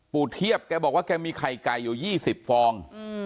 เทียบแกบอกว่าแกมีไข่ไก่อยู่๒๐ฟอง